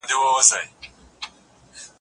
اتڼ د خوښۍ په وخت کې کيږي.